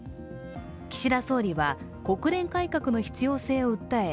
岸田総理は国連改革の必要性を訴え